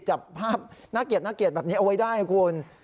จับภาพน่าเกลียดแบบนี้เอาไว้ได้นะคุณ